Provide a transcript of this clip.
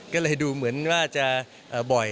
ก็เลยดูเหมือนว่าจะบ่อย